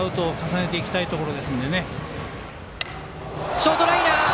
ショートライナー！